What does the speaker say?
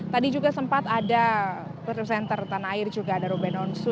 tadi juga sempat ada putri center tanah air juga ada ruben onsu